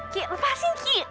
ki lepasin ki